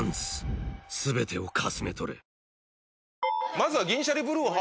まずは。